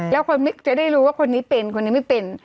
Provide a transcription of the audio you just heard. แล้วคนจะได้รู้ว่าคนนี้เป็นคนนี้ไม่เป็น